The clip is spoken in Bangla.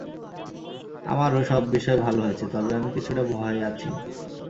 আমারও সব বিষয় ভাল হয়েছে, তবে আমি কিছুটা ভয় আছি।